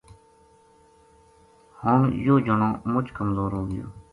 ہن یوہ جنو مُچ کمزور ہو گیو